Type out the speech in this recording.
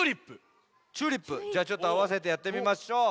じゃあちょっとあわせてやってみましょう。